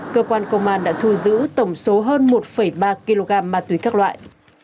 cơ quan công an đã thu giữ tổng số hơn một ba kg ma túy các loại